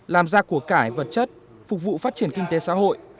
làm ra của cải vật chất phục vụ phát triển kinh tế xã hội